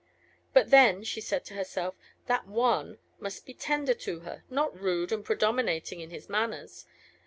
But then, she said to herself, that "one" must be tender to her, not rude and predominating in his manners.